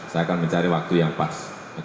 saya akan mencari waktu yang pas